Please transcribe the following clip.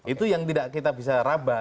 itu yang tidak kita bisa rabah